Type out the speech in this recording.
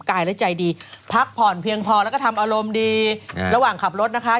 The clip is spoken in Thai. กายและใจดีพักผ่อนเพียงพอแล้วก็ทำอารมณ์ดีระหว่างขับรถนะคะ